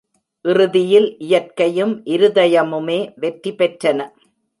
இறுதியில், இயற்கையும் இருதயமுமே வெற்றி பெற்றன!